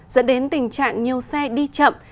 dẫn đến tình trạng nhiều xe đi chậm